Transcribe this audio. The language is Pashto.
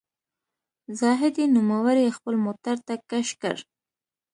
زاهدي نوموړی خپل موټر ته کش کړ.